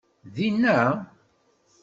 Din-a?